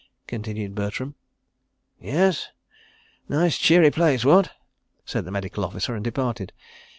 continued Bertram. "Yes. Nice cheery place, what?" said the Medical Officer and departed.